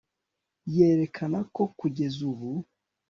yerekana ko kugeza ubu